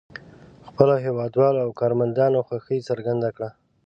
خپلو هېوادوالو او کارمندانو خوښي څرګنده کړه.